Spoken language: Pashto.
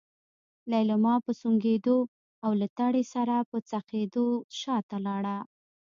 ليلما په سونګېدو او له تړې سره په څخېدو شاته لاړه.